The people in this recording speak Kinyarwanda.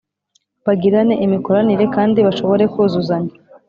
Bagirane imikoranire kandi bashobore kuzuzanya